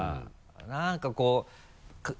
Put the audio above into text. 何かこう。